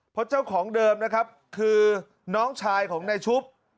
เพราะเจ้าของเดิมนะครับคือน้องชายของนายชุบ